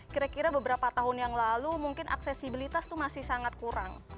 kira kira beberapa tahun yang lalu mungkin aksesibilitas itu masih sangat kurang